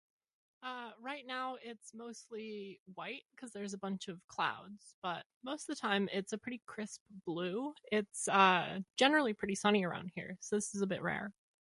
Uh, right now it's mostly white cuz there's a bunch of clouds. But most of the time it's a pretty crispy blue. It's, uh, generally pretty sunny around here, so this is a bit rare.